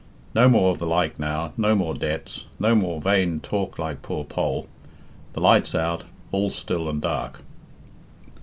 No more of the like now, no more debts, no more vain 'talk like poor Poll:' the light's out all still and dark."